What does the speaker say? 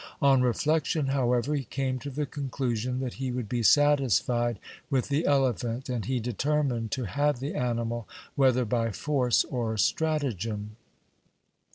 On reflection, however, he came to the conclusion that he would be satisfied with the elephant, and he determined to have the animal whether by force or stratagem.